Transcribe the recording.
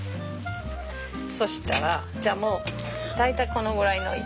そしたらじゃあもう大体このぐらいの色。